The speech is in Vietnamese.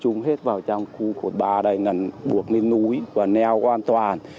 chúng tôi đã chết vào trong khu cột ba đây buộc lên núi và neo an toàn